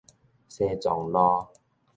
西藏路